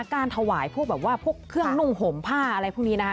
การถวายพวกแบบว่าพวกเครื่องนุ่งห่มผ้าอะไรพวกนี้นะคะ